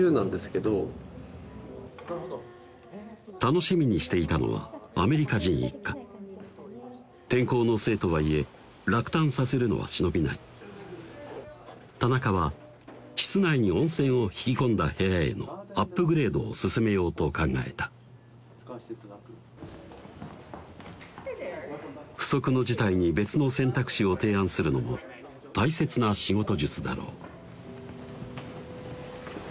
楽しみにしていたのはアメリカ人一家天候のせいとはいえ落胆させるのは忍びない田中は室内に温泉を引き込んだ部屋へのアップグレードを勧めようと考えた不測の事態に別の選択肢を提案するのも大切な仕事術だろう